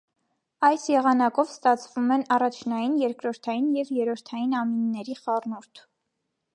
Այս եղանակով ստացվում են առաջնային, երկրորդային և երրորդային ամինների խառնուրդ։